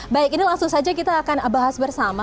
baik ini langsung saja kita akan bahas bersama